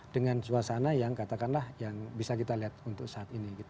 dengan suasana yang katakanlah yang bisa kita lihat untuk saat ini